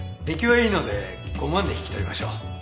出来はいいので５万で引き取りましょう。